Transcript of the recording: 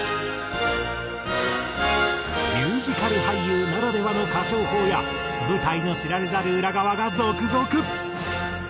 ミュージカル俳優ならではの歌唱法や舞台の知られざる裏側が続々！